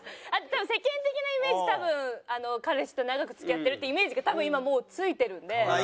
あと世間的なイメージ多分彼氏と長く付き合ってるっていうイメージが多分今もうついてるんで。